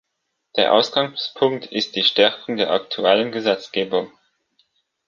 Der Ausgangspunkt ist die Stärkung der aktuellen Gesetzgebung.